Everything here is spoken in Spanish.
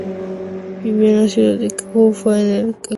Vivió en la ciudad de Kufa, en el actual Irak.